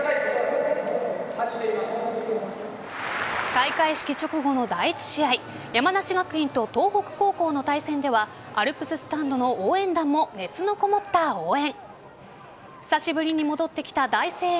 開会式直後の第１試合山梨学院と東北高校の対戦ではアルプススタンドの応援団も熱のこもった応援。